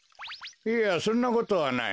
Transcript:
いやそんなことはない。